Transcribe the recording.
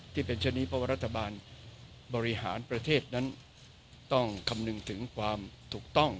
เช่นนี้เพราะว่ารัฐบาลบริหารประเทศนั้นต้องคำนึงถึงความถูกต้อง